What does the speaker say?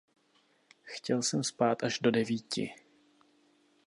Chtěl jsem spát až do devíti.